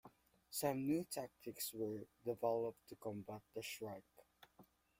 Some new tactics were developed to combat the Shrike.